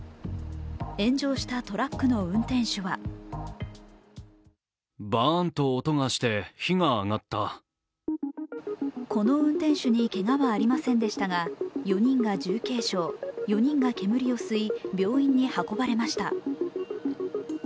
炎上したトラックの運転手はこの運転手にけがはありませんでしたが４人が重軽傷、４人が煙を吸い、病院に運ばれました。